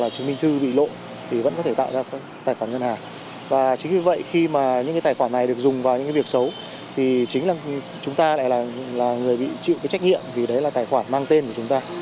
chính là chúng ta lại là người bị chịu trách nhiệm vì đấy là tài khoản mang tên của chúng ta